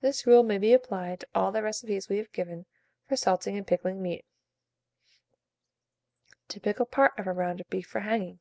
This rule may be applied to all the recipes we have given for salting and pickling meat. TO PICKLE PART OF A ROUND OF BEEF FOR HANGING.